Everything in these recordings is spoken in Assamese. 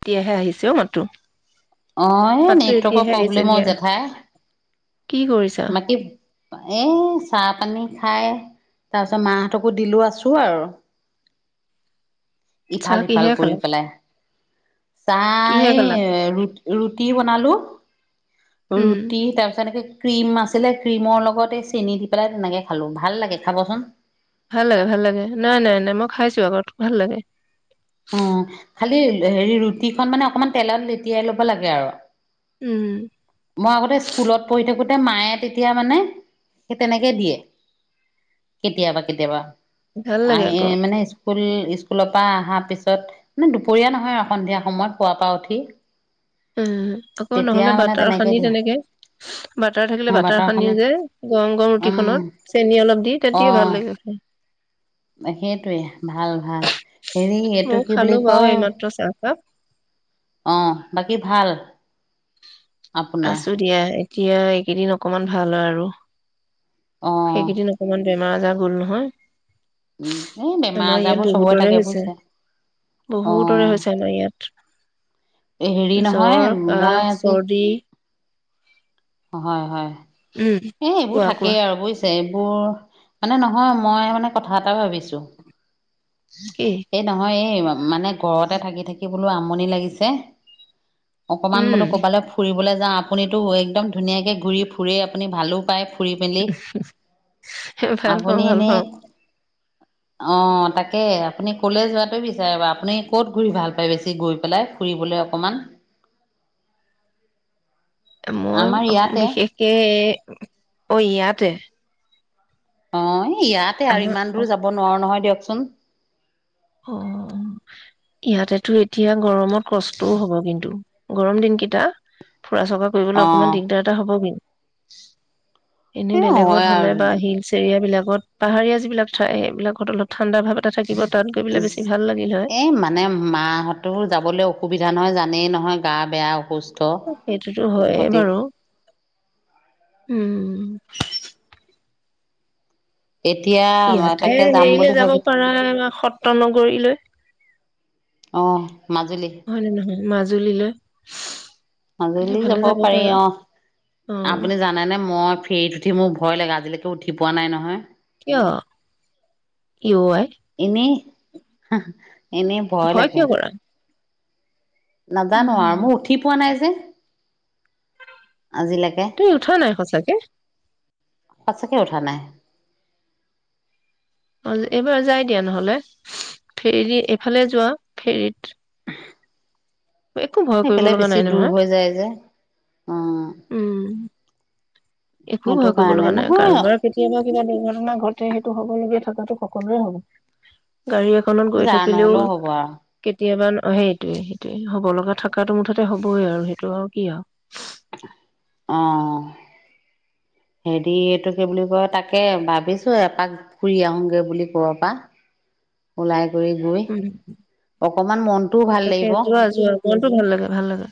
এতিয়াহে আহিছে অও মাতটো! অ এই নেটৱৰ্কৰ প্ৰবলেম অ' দিয়া জেঠাই। কি কৰিছা? এ চাহ পানী খাই তাৰপিছত মাহঁতকো দিলো আছো আৰু৷ চাহ ইফাল-সিফাল কিহে কৰি খালা পেলাই, চাহ কিহে এ খালা ৰু ৰুটি বনালো। উম ৰুটি তাৰ পিছত এনেকে ক্ৰীম আছিলে ক্ৰীমৰ লগত এই চেনি দি পেলাই তেনেকে খালো ভাল লাগে খাবচোন৷ ভাল লাগে ভাল লাগে নাই - নাই - নাই মই খাইছো আগত ভাল লাগে৷ অ, খালি হেৰি ৰুটিখন মানে অকমান তেলত লেতিয়াই খাব লাগে আৰু। উম মই আগতে স্কুলত পঢ়ি থাকোতে মায়ে তেতিয়া মানে সেই তেনেকে দিয়ে কেতিয়াবা - কেতিয়াবা৷ ভাল আহ, লাগে আকৌ মানে স্কুল। স্কুলৰ পৰা আহা পিছত মান দুপৰীয়া নহয় আৰু সন্ধিয়া সময়ত পুৱা পৰা উঠি। উম আকৌ তেতিয়া নহলে মানে বাটৰ খ সানি দিয়া তেনেকে ‌বাটাৰ থাকিলে অ বাটাৰ খনে সানিও যে গৰম গৰম উম ৰুটিখনত চেনি অলপ দি অ তেতিয়া ভাল লাগে খায়। সেইটোৱে ভাল ভাল হেৰি এইটো ময়ো কি খালো বুলি বাৰু কয় এইমাত্ৰ চাহকাপ আহ বাকী ভাল? আপোনাৰ আছো দিয়া এতিয়া এইকেইদিন অকমান ভাল হয় আৰু অ সেইকেইদিন অকমান বেমাৰ জা গ'ল নহয় এই বেমাৰ আমাৰ ইয়াত আজাৰবোৰ চবৰে বহুতৰে থাকে হৈছে বুজিছে অ বহুতৰে হৈছে আমাৰ ইয়াত। হেৰি জ্বৰ, নহয় কাহ, মই আজি চৰ্দি হয় হয় উম। এ এইবোৰ কোৱা থাকে কোৱা। আৰু বুজছো এইবোৰ মানে নহয় মই মানে কথা এটা ভাবিছো কি? এই নহয় মানে ঘৰতে থাকি থাকিব বোলো আমনি লাগিছে অকমান উম বোলো কবালে ফুৰিবলৈ যা আপুনিতো একদম ধুনীয়াকে ঘূৰি ফুৰেই আপুনি ভালো পায় পুৰী মেলি ভাল পাওঁ আপুনি ভাল এনেই পাওঁ আহ তাকে আপুনি কলে যোৱাটোৱে বিচাৰে বাৰু আপুনি কত ঘূৰিৱ ভাল পায় বেছি গৈ পেলাই ফুৰিবলৈ অকমান। এ মই আমাৰ ইয়াতে বিশেষকে ঐ ইয়াতে অ ইয়াতে আৰু আমাৰ ইমান অ দূৰ যাব নোৱাৰো নহয় দিয়ক চোন অ ইয়াতেতো এতিয়া গৰমত কষ্টও হব কিন্তু গৰম দিনকেইটা। ফুৰা চকা কৰিবলৈ অকণমান অঁ দিগদাৰ এটা হ'বগৈ। উ [inaudible] এ এনেই বেলেগত হয় হলে আৰু বা হিলচ এৰিয়া বিলাকত পাহাৰীয়া যিবিলাক ঠাই এইবিলাকত অলপ ঠাণ্ডা ভাৱ এটা থাকিব। তাত গৈ পেলাই বেছি ভাল লাগিল হয়। এ মানে মাহঁতৰ যাবলৈ অসুবিধা জানাই জানেই নহয় গা বেয়া অসুস্থ। সেইটোতো হয়ে গতিকে বাৰু! উম ম। এতিয়া ইয়াতে তাকে যাম হেৰিলে বুলি যাব ভাবি পাৰা সত্ৰ নগৰীলৈ। অ মাজুলী। হয়নে নহয় মাজুলীলৈ মাজুলী সেইফালে যাব পাৰি পাৰা অ। অ আপুনি জানে নে মই ফেৰীত উঠি মোৰ ভয় লাগে, আজিলৈকে উঠি পোৱা নাই নহয়! অ। ইনেই। [unintelligible] এনেই ভয় লাগে। কিয় কৰা নাজানো উম আৰু ম উঠি পোৱা নাই যে। আজিলৈকে তুই উঠা নাই সঁচাকে? সঁচাকে উঠা নাই। অ' এইবাৰ যাই দিয়া নহ'লে! ফেৰী- এইফালে যোৱা ফেৰীত। একো ভয় কৰিব সেইফালে লগা বেছি নাই দূৰ নহয়। হৈ যায় যে অ উম। একো সেইটো ভয় কৰিব কাৰণে লগা নাই, নহয় কাৰোবাৰ কেতিয়াবা কিবা দুৰ্ঘটনা ঘ তাতে সেইটো হ'বলগীয়া থকাটো সকলোৰে হ'ব। গাড়ী এখনত গৈ যাৰ থাকিলেও নহলেও কেত হ'ব আৰু কেতিয়াবা সেইটোৱে সেইটোয়ে হ'ব লগা থকাটো‌ মুঠতে হ'বই আৰু সেইটো আৰু কি আৰু। অ' হেৰি এইটো কি বুলি কয়, তাকে ভাবিছো এপাক ফুৰি আহোঁগে বুলি কবাৰ পৰা ওলাই। কৰি গৈ উম, অকমান মনটোও ভাল তাকে লাগিব যোৱা যোৱা মনটো ভাল লাগে ভাল লাগে।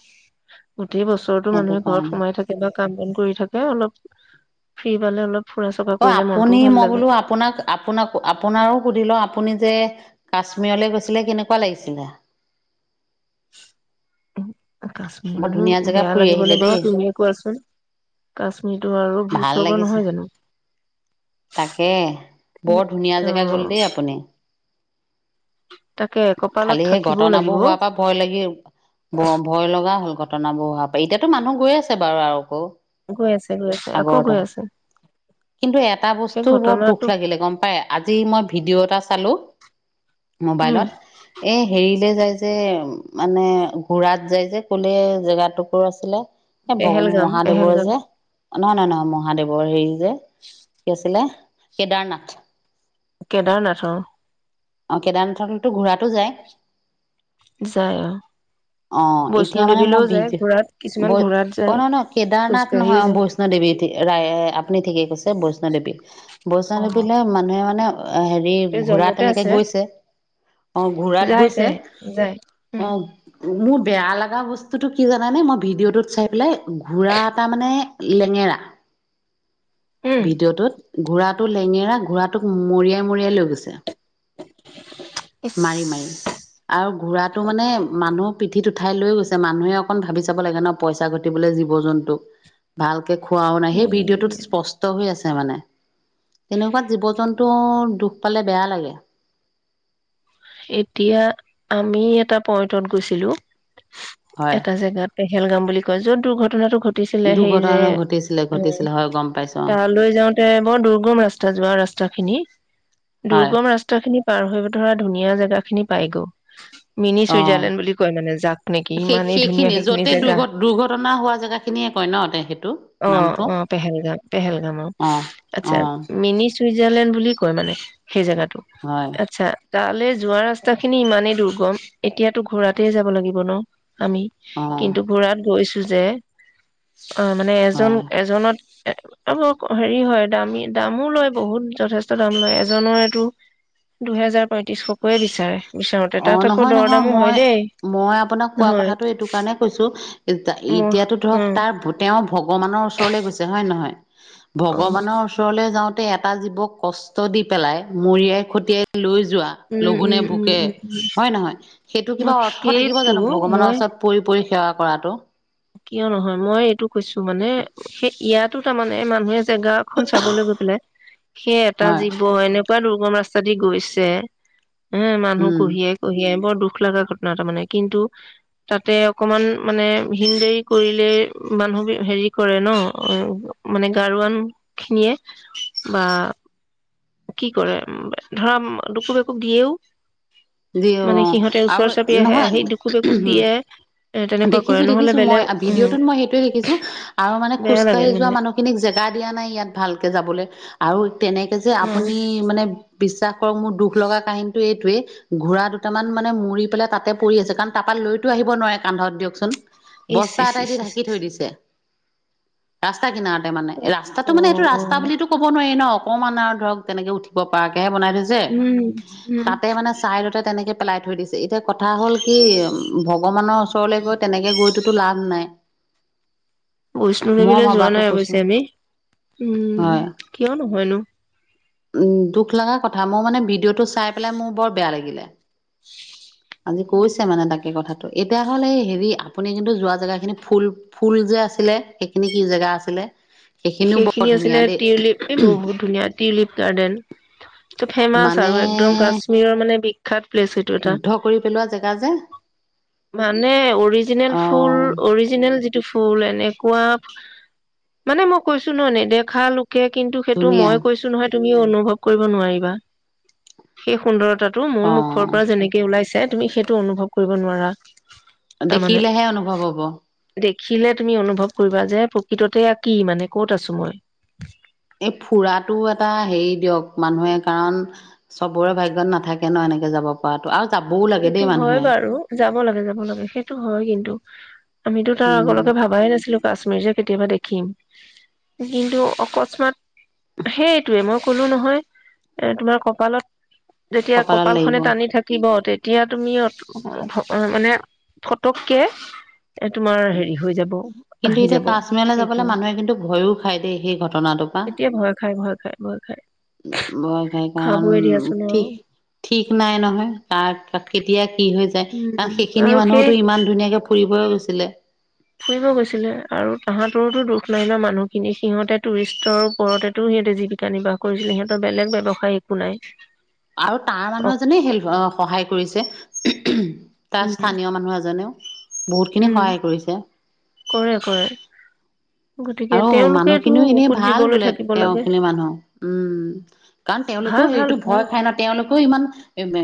গোটেই বছৰতো সেইটো মানুহে ঘৰত কাৰণে সোমাই থাকে বা কাম-বন কৰি থাকে অলপ ফ্ৰি পালে অলপ ফুৰা চকা অ কৰিলে মনটোও আপুনি, ভাল মই লাগে বোলো আপোনাক- আপোনাক-আপোনাৰো সুধি লও। আপুনি যে কাশ্মীৰলৈ গৈছিলে কেনেকুৱা লাগিছিলে? [unintelligible] বৰ কাশ্মীৰতনো ধুনীয়া জেগা বেয়া ফুৰি আহিলে লাগিবনে দেই বাৰু তুমিয়ে কোৱাচোন? কাশ্মীৰটো আৰু ভাল ভূস্বৰ্গ লাগিছে নহয় জানো। তাকে বৰ ধুনীয়া অ। জেগা গ'ল দেই আপুনি তাকে কপালত খালি সেই থাকিবও লাগিব ঘটনাবোৰ অ'। হোৱাৰ পৰা ভয় লাগি, ভয় লগা নাও বহুৱাব পাৰি, এতিয়াতো মানুহ গৈ আছে বাৰু আৰু আকৌ! গৈ আছে গৈ আছে, আকৌ আগৰ গৈ দৰে আছে। কিন্তু এটা সেই বস্তু বৰ ঘটনাটো দুখ লাগিলে গম পায়? আজি মই ভিডিঅ' এটা চালো উম মোবাইলত এ হেৰি এ যায় যে, মানে ঘোঁৰাত যায় যে কলে জেগাটোকৰ আছিলে? এই ভগ পেহেলগাম মহাদেৱৰ পেহেলগাম যে নই-নই নহয় মহাদেৱৰ হেৰি যে কি আছিলে? কেদাৰনাথ কেদাৰনাথ অ'। অ' কেদাৰনাথলৈতো ঘোঁৰাতো যায় যায় অ অ' বৈষ্ণো এতিয়া মানে দেৱীলৈও মই যায় ভিড ঘোঁৰাত কিছুমান ঘোঁৰাত অ' যায় নহ ন কেদাৰনাথ খোজকাঢ়িও নহয় অ যায় বৈষ্ণ দেৱী ৰা আপুনি ঠিকেই কৈছে। বৈষ্ণদেৱী, অ বৈষ্ণদেৱীলৈ মানুহে অ' মানে হেৰি এই ঘোঁৰাত জম্মুতে এনেকে আছে গৈছে। অ' ঘোঁৰাত যায় গৈছে। যায় যায় উম অ' মোৰ বেয়া লগা বস্তুটো কি জানা নে? মই ভিডিঅ'টোত চাই পেলাই ঘোঁৰা এটা মানে লেঙেৰা উম ভিডিঅ'টোত ঘোঁৰাটো লেঙেৰা, ঘোঁৰাটোক মৰিয়াই মৰিয়াই লৈ গৈছে। ইচ মাৰি-মাৰি। আৰু ঘোঁৰাটো মানে মানুহক পিঠিত উ উঠাই লৈ গৈছে। মানুহে অকণ ভাবি চাব লাগে ন', পইচা ঘটিবলৈ জীৱ জন্তুক ভালকে খোৱাও নাই। সেই ভিডিঅ'টোত স্পষ্ গৈ আছে মানে! তেনেকুৱাত জীৱ-জন্তুৰ দুখ পালে বেয়া লাগে। এতিয়া আমি এটা পইণ্টত গৈছিলোঁ। হয় এটা জেগাত পেহেলগাম বুলি কয় য'ত দুৰ্ঘটনাটো ঘটিছিলে সেই যে দুৰ্ঘটনা ঘটিছিলে উম, ঘটিছিলে হয় গম পাইছো অ তালৈ যাওঁতে বৰ দুৰ্গম ৰাস্তা, যোৱা ৰাস্তাখিনি। হয় দুৰ্গম ৰাস্তাখিনি পাৰ হৈ ধৰা নিয়া জেগাখিনি পায় গু। মিনি অ চুইজাৰলেণ্ড বুলি কয় মানে, যাক নেকি সেই ইমানেই ধুনীয়া সেইখিনি য'তে জেগা। দুৰ্ঘ দুৰ্ঘটনা হোৱা জেগা খিনিয়ে কয় ন তে সেইটো অ' নামটো - অ' পেহেলগাম- পেহেলগামক। অ অ আচ্ছা, মিনি ছুইজাৰলেণ্ড বুলি কয় মানে সেই জেগাত হয় আচ্ছা। তালৈ যোৱা ৰাস্তাখিনি ইমানেই দুৰ্গম এতিয়াতো ঘোঁৰাতে যাব লাগিব ন? আমি অ কিন্তু ঘোঁৰাত গৈছো যে অ' মানে এজন- হয় এজনত আ হেৰি হয় দামী দামো লয় বহুত যথেষ্ট দাম লয় এজনৰ এইটো দুহেজাৰ পইটিছখকে বিচাৰে। বিচাৰোতে অ তাত আকৌ নহয় দৰ নহয় দামো হয় মই দেই মই আপোনাক কোৱা নহয় কথাটো এইটো কাৰণে কৈছো মোৰ এতিয়াতো ধৰক উম তাৰ তেওঁ ভগৱানৰ ওচৰলৈ গৈছে হয় নহয় অ ভগৱানৰ ওচৰলে যাওঁ এটা জীৱক কষ্ট দি পেলাই মৰিয়াই খতিয়াই লৈ যোৱা উম লঘুনে উম উম ভোকে উম হয় নহয় সেইটো ন কিবা অৰ্থ থাকিব সেইটো জানো ভগৱানৰ মই ওচৰত পৰি পৰি সেৱা কৰাটো কিয় নহয় মই এইটো কৈছো মানে সেই ইয়াত তাৰমানে মানুহে জেগা খন চাবলৈ গৈ পেলাই সেই এটা হয় জীৱ এনে কা দুৰ্গম ৰাস্তা দি গৈছে উ মানুহ উম কহিয়াই কহিয়াই বৰ দুখ লগা ঘটনা তটা মানে কিন্তু তাতে অকমান মানে হিল দেৰি কৰিলে মানুহ হেৰি কৰে ন মানে গাৰোৱান খিনিয়ে বা কি কৰে ধৰা ডুকুব একুব দিয়ও যি অ মানে সিহঁতে আৰু ওচৰ চাপি আহে নহয় আহি দুকোব একোব দিয়ে এ তেনেকুৱা কৰে দেখিছো নহলে দেখিছো মই বেলেগ উম ভিডিঅ'টোত মই সেইটোৱে দেখিছো আৰু মানে বেয়া লাগে খোজকাঢ়ি যোৱা মানে মানুহখিনিক জেগা দিয়া নাই ইয়াত ভালকে যাবলৈ আৰু তেনেকে যে উম আপুনি মানে বিশ্বাস মোৰ দুখ লগা কাহিনীটো এইটোয়ে ঘোঁৰা দুটামান মানে মৰি পেলাই তাতে পৰি আছে কাৰণ তাপা লৈতো আহিব নোৱাৰে কান্ধত দিয়কচোন ইচ বস্তা ইচ এটাই ইচ দি ইচ ঢাকি ইচ। থৈ দিছে ৰাস্তা কিনাওত মানে ৰাস্তাটো অ মানে সেইটো ৰাস্তা বুলিটো ক'ব নোৱাৰি ন অকমমান আৰু ধৰক তেনেকৈ উঠিব পৰাকে এ বনাই দিযে উম উম তাতে মানে চাইদতে তেনে পেলাঠৈদিছ এতিয়া কথা হ'ল কি উম ভ ভগৱানৰ ওচৰলৈ গৈ তেনেকে গৈতোটো লাভ নাই। বৈষ্ণো মই দেৱীলৈ যোৱা ভবাতো নাই কৈছো অৱশ্যে আমি। উম, হয় কিয় নহয়নো! উম দুখ লগা কথা। মোৰ মানে ভিডিঅ'টো চাই পেলাই মোৰ বৰ বেয়া লাগিলে। আজি কৈছে মানে তাকে কথা তো এ তেতিয়াহ'লে হেৰি আপুনি কিন্তু যোৱা জেগাখিনি ফুল ফুল যে আছিলে, সেইখিনি কি জেগা আছিলে সেইখিনিও বৰ সেইখিনি আছিলে ধুনীয়া দেই টিউলিপ। এ বহুত ধুনীয়া টিউলিপ গাৰ্ডেন। ফেমাচ মানে আৰু একদম কাশ্মীৰৰ মানে বি খাত প্লেচ সেইটো এটা। শুদ্ধ কৰি পেলোৱা জেগা যে মানে অৰিজিনেল অ ফুল অৰিজিনেল যিটো ফুল এনে কোৱা, মানে মোক কৈছোঁ ন'? নেদেখা লোক তাকে, কিন্তু সেইটো ধুনীয়া মই কৈছো নহয় তুমি অনুভৱ কৰিব নোৱাৰিবা। সেই সুন্দৰতা তোৰ মোৰ অ মুখৰপৰা যেনেকে ওলাইছে তে তুমি সেইটো অনুভৱ কৰিব নোৱাৰা। তাৰমানে দেখিলেহে অনুভৱ হ'ব। দেখিলে তুমি অনুভৱ কৰিবা যে প্ৰকৃততে এইয়া কি মানে! ক'ত আছোঁ মই? এই ফুৰাটোও এটা হেৰি দিয়ক মানুহে, কাৰণ চবৰে ভাগ্যত নাথাকে ন এনেকে যাব পৰাতো আৰু যাবও লাগে সেইটো দেই হয় মানুহে বাৰু। যাব লাগে, যাব লাগে। সেইটো হয় কিন্তু। আমিতো তাৰ উম আগলৈকে ভাবাই নাছিলোঁ কাশ্মীৰ যে কেতিয়াবা দে ম, কিন্তু অকস্মাত সেইটোৱে মই কলোঁ নহয়, এ তোমাৰ কপালত যেতিয়া কপালত কপালখনে লাগিব টানি থাকিব, তে এতিয়া তুমি মানে ফটককে এ তোমাৰ হেৰি হৈ যাব কিন্তু আহি এতিয়া যাব কাশ্মীৰলৈ যাবলৈ সেইটোৱে মানুহে কিন্তু ভয়ো খায় দেই সেই ঘটনাটোৰ পৰা। এতিয়া ভয় খাই ভয় খাই ভয় খাই ভয় খাই কাৰণ খাবই দিয়াচোন ঠিক আৰু ঠিক নাই নহয়, কাৰ কেতিয়া কি হৈ যায়, কাৰণ উম সেইখিনি আৰু সেই মানুহোতো ইমান ধুনীয়াকে ফুৰিবই গৈছিলে। ফুৰিব গৈছিলে আৰু তাহাঁতৰোতো দুখ নাই মানুহখিনি সিহঁতে টুৰিষ্টৰ ওপৰতেতো সিহঁতে জীৱিকা নিৰ্বাহ কৰিছিলে। সিহঁতৰ বেলেগ ব্যৱসায় একো নাই। আৰু তাৰ অ মানুহ এজনে হেল অ সহায় ক কৰিছে। তাৰ উম স্থানীয় মানুহ এজনেও বহুতখিনি উম সহায় কৰিছে। কৰে কৰে গতিকে আৰু তেওঁলোকেতো মানুহখিনিও এনেই বুকুত ভাল জীৱলৈ বোলে থাকিব তেওঁ লাগে খিনি মানুহ। উম কাৰণ তেওঁলোকেও ভাল ভাল সেইটো ভাল ভয় খাই ন তেওঁলোকেও ইমান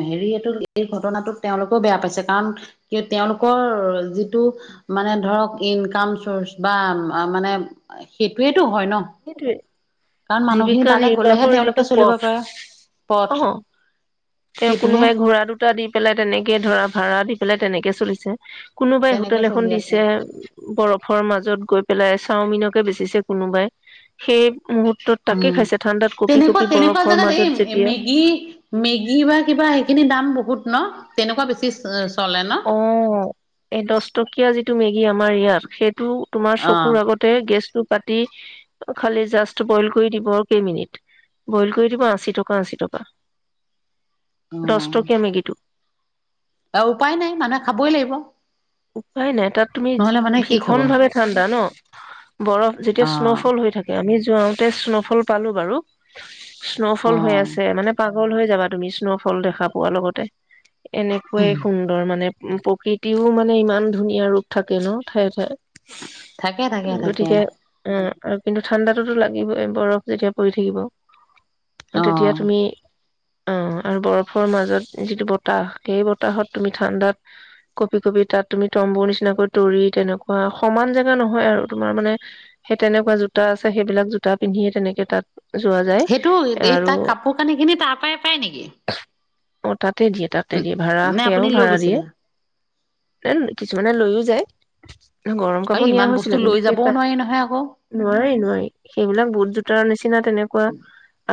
হেৰি এইটো এই ঘটনাটো তেওঁলোকেও বেয়া পাইছে কাৰণ তেওঁলোকৰ যিটো মানে ধৰক ইনকাম চ'ৰ্চ বা মানে সেইটোয়ে সেইটোৱে। মানুহখিনি জীৱিকা তালৈ গলেহে নিৰ্বাহৰ তেওঁলোকে যিটো চলিব পথ। পাৰে পথ অ, তেওঁ সেইটোহে কোনোবাই ঘোঁৰা দুটা দি পেলাই তেনেকে ধৰা ভাড়া দি বোলে তেনেকে চলিছে কোনোবাই তেনেকে হোটেল এখন চলি আছে দিছে। বৰফৰ মাজত গৈ পেলাই চাওমিনকে বেচিছে কোনোবাই সেই মুহুৰ্তত অ তাকে খাইছে ঠাণ্ডাত কঁপি তেনেকুৱা কঁপি তেনেকুৱা বৰফৰ জেগাত মাজত এই যেতিয়া মেগী, মেগী বা কিবা সেইখিনি দাম ব বহুত ন তেনেকুৱা বেছি চ অ এই দছটকীয়া যিটো মেগী গী আমাৰ ইয়াৰ সে টো তোমাৰ অ চকুৰ আগতে গেছ টো পা দি খালি জাষ্ট বইল কৰি দিব আৰু কেইমিনিট? বইল কৰি দিব আশী টকা আশী টকা। অ দছ টকীয়া মেগিটো। উপায় নাই মানুহে খাবই লাগিব উপায় নাই তাত তুমি নহলে মানুহে কি খাব ভীষণ অ ভাৱে ঠাণ্ডা ন বৰফ যেতিয়া স্ন'ফল হৈ থাকে আমি। যাওঁতে স্ন'ফল পালো বাৰু। স্ন'ফল অ হৈ আছে। মানে পাগ পাগল হৈ যাবা তুমি স্ন'ফল দেখা পোৱা লগতে। এনেকুৱাই সুন্দৰ মানে। উ প্ৰকৃতিও মা নে ইমান ধূনীয়া ৰূপ থাকে ন ঠায়ে ঠায়ে। থাকে থাকে থাকে গতিকে উম্ আৰু কিন্তু ঠাণ্ডাটোতো লাগিবই বৰফ যেতিয়া পৰি থাকিব। অ তেতিয়া তুমি অ আৰু বৰফৰ মাজত যিটো বতাহ সেই বতাহত তুমি ঠাণ্ডাত কঁপি কঁপি তাত তুমি তম্বুৰ নিচিনাকৈ তৰি তেনেকুৱা সমান জেগা নহয় আৰু তোমাৰ মানে সেই তেনেকুৱা জোতা আছে সেইবিলাক জোতা পিন্ধিয়ে তেনেকে তাত। যোৱা যায় সেইটো এই আৰু তাত কাপোৰ কানি খিনি তাৰ পৰাই পাই নেকি অৰ্ঠাৎ তাতে দিয়ে তাতে দিয়ে ভাড়া, নে সেয়াও আপুনি লৈ ভাড়া দিয়ে। গৈছিলে কিছুমানে লৈও যায়। গৰম আৰু কাপোৰ নিয়া ইমান বস্তু হৈছিলে কিন্তু লৈ যাবও সেইটাত। নোৱাৰি নহয় আকৌ নোৱাৰি-নোৱাৰি, সেইবিলাক বুট জোতাৰ নিচিনা তেনেকুৱা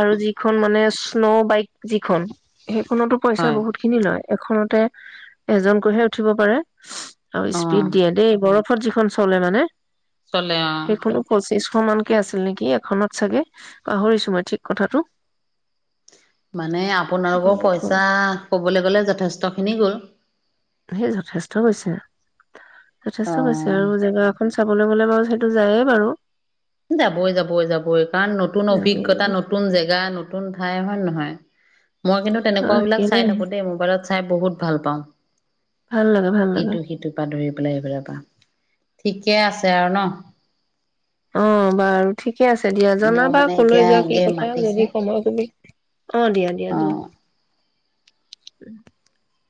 আৰু যি খন মানে স্ন' বাইক যিখন সেইখনতো পইচা হয় বহুত খিনি লয়। এখনতে এজনকৈহে উঠিব পাৰে। আৰু অ স্পীড দিয়ে দেই বৰফ ফৰ যিখন চলে মানে, চলে অ সেইখনো পচিছ, সমানকে আছিল নেকি এখনত চাগে পাহৰিছো মই ঠিক কথাটো। মানে আপোনালোকৰ তেনেকুৱা পইচা কবলৈ গ'লে যথেষ্টখিনি গ'ল। সেই যথেষ্ট হৈছে। অ যথেষ্ট কৈছে আৰু জেগা এখন চাবলৈ গ'লে বাৰু সেইটো যায়ে বাৰু। যাবই-যাবই-যাবই কাৰণ নতুন যাব অভিজ্ঞতা নতুন জেগা নতুন ঠাই হয় নহয়? মই কিন্তু তেনেকুৱা বিলাক কেলে চাই থাকো দেই মোবাইলত, চাই বহুত ভাল পাওঁ। ভাল লাগে ভাল লাগে ইটো সিটো পা ধৰি পেলাই এইফেল পা। ঠিকে আছে আৰু ন? অ বাৰু ঠি ঠিকে আছে দিয়া মোৰ জনাবা মানে কলৈ এতিয়া যোৱা কি এই কথা মাতিছে যদি সময় কমি অ দিয়া-দিয়া অ'। যোৱা। উম [unintelligible]